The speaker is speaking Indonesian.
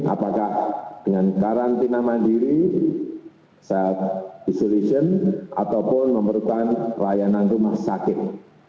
apakah dengan karantina mandiri self isolation ataupun memerlukan layanan rumah sakit